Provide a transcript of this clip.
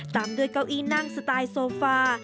ตามด้วยเก้าอี้นั่งสไตล์โซฟา